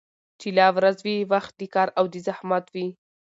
چي لا ورځ وي وخت د كار او د زحمت وي